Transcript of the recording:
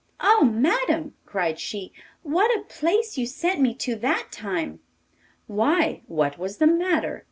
'Ah! madam,' cried she, 'what a place you sent me to that time!' 'Why, what was the matter?